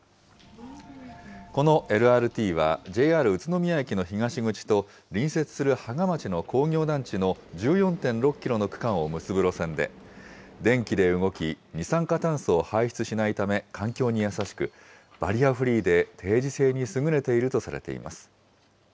このＬＲＴは、ＪＲ宇都宮駅の東口と、隣接する芳賀町の工業団地の１４．６キロの区間を結ぶ路線で、電気で動き、二酸化炭素を排出しないため、環境に優しく、バリアフリーで、定時制に優れているとされています。